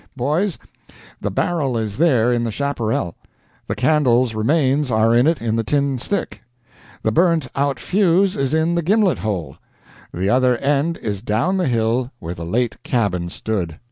Boys, the barrel is there in the chaparral, the candle's remains are in it in the tin stick; the burnt out fuse is in the gimlet hole, the other end is down the hill where the late cabin stood.